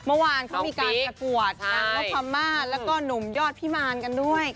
มาวานเขามีการประควรแล้วก็ความมาดแล้วก็หงุมยอดพิมาณกันด้วยค่ะ